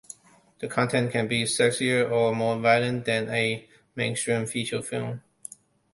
The content can be sexier or more violent than a mainstream feature film.